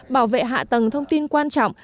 bảo vệ hạ tầng thông tin quan trọng